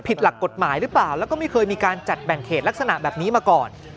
หลักกฎหมายหรือเปล่าแล้วก็ไม่เคยมีการจัดแบ่งเขตลักษณะแบบนี้มาก่อน